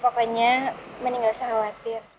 pokoknya mending gak usah khawatir